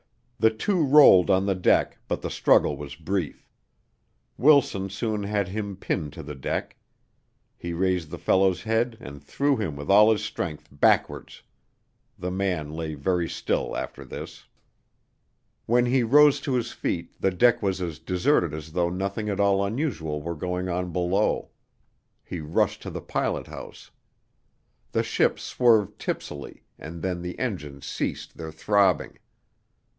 The two rolled on the deck, but the struggle was brief. Wilson soon had him pinned to the deck. He raised the fellow's head and threw him with all his strength backwards. The man lay very still after this. When he rose to his feet the deck was as deserted as though nothing at all unusual were going on below. He rushed to the pilot house. The ship swerved tipsily and then the engines ceased their throbbing.